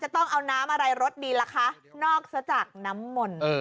ต้องเอาน้ำอะไรรสดีล่ะคะนอกจากน้ำมนต์